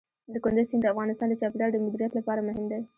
کندز سیند د افغانستان د چاپیریال د مدیریت لپاره مهم دی.